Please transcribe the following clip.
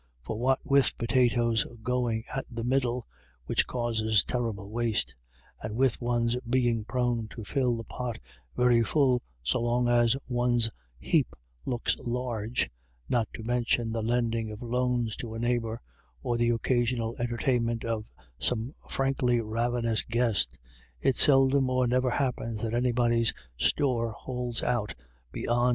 For what with potatoes " going " at the middle, which causes terrible waste, and with one's being prone to fill the pot very full so long as one's heap looks large, not to mention the lending of loans to a neighbour, or the occasional entertainment of some frankly ravenous guest, it seldom or never happens that anybody's store holds out beyond A WET DAY.